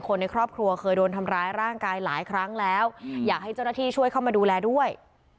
ในครอบครัวเคยโดนทำร้ายร่างกายหลายครั้งแล้วอยากให้เจ้าหน้าที่ช่วยเข้ามาดูแลด้วย